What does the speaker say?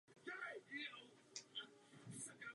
Tato taktika mu vynesla druhý titul v kariéře.